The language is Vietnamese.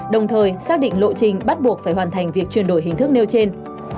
đồng thời xác định lộ trình bắt buộc phải hoàn thành việc chuyển đổi hình thức nêu trên